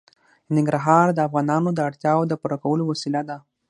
ننګرهار د افغانانو د اړتیاوو د پوره کولو وسیله ده.